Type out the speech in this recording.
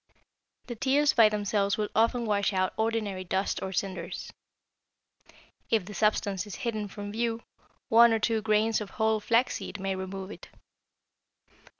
The tears by themselves will often wash out ordinary dust or cinders. If the substance is hidden from view, one or two grains of whole flaxseed may remove it.